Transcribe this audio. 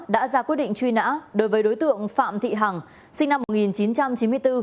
đã ra quyết định truy nã đối với đối tượng phạm thị hằng sinh năm một nghìn chín trăm chín mươi bốn